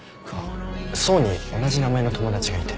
想に同じ名前の友達がいて。